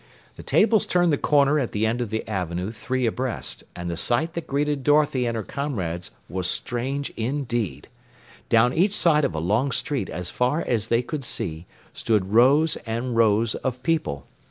The tables turned the corner at the end of the avenue three abreast, and the sight that greeted Dorothy and her comrades was strange indeed. Down each side of a long street as far as they could see stood rows and rows of people.